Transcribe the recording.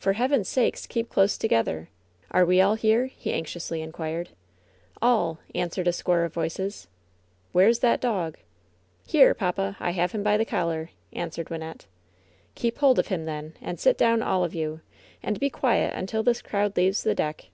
"For Heaven's sake keep close together ! Are we all here ?'' he anxiously inquired. "All !" answered a score of voices. 'mere's that dog r "Here, papa. I have him by the collar," answered Wynnette. "Keep hold of him, then. And sit down, all of you, and be quiet until this crowd leaves the deck.